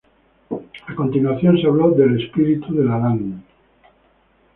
A continuación, se habló del „espíritu de la Landi“.